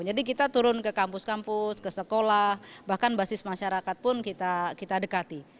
jadi kita turun ke kampus kampus ke sekolah bahkan basis masyarakat pun kita dekati